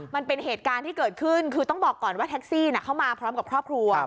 มันเป็นเหตุการณ์ที่เกิดขึ้นคือต้องบอกก่อนว่าแท็กซี่เข้ามาพร้อมกับครอบครัว